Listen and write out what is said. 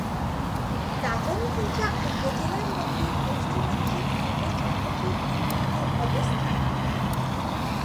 দাগনভূঞা উপজেলার মধ্য-পশ্চিমাংশে পূর্ব চন্দ্রপুর ইউনিয়নের অবস্থান।